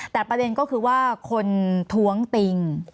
แต่ประเด็นก็คือว่าคนท้วงติง